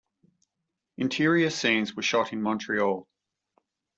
Interior scenes were shot in Montreal.